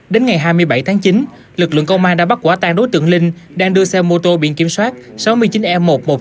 đến ngày hai mươi bảy tháng chín lực lượng công an đã bắt quả tàn đối tượng linh đang đưa xe mô tô biển kiểm soát sáu mươi chín e một một mươi chín nghìn năm trăm linh năm